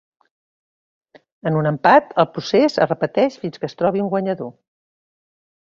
En un empat, el procés es repeteix fins que es trobi un guanyador.